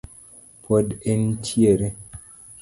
Pod en tiere